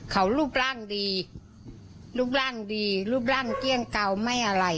เขารูปร่างดีรูปร่างดีรูปร่างเกลี้ยงเก่าไม่อะไร